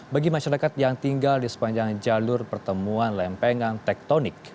bagi masyarakat yang tinggal di sepanjang jalur pertemuan lempengan tektonik